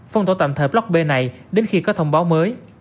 phong tỏa tạm thời block b này đến khi có thông báo mới